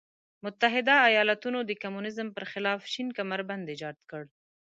متحده ایالتونو د کمونیزم پر خلاف شین کمربند ایجاد کړ.